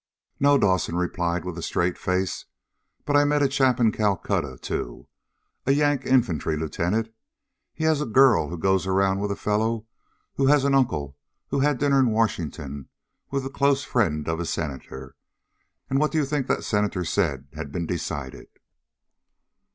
"No," Dawson replied with a straight face. "But I met a chap in Calcutta, too. A Yank infantry lieutenant. He has a girl who goes around with a fellow who has an uncle who had dinner in Washington with the close friend of a Senator. And what do you think that Senator said had been decided?"